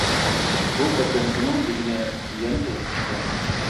بۇ قېتىم ئۇنىڭ دېگىنى يەنە توغرا چىقتى.